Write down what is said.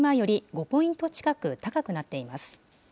５ポイント近く高くなっています。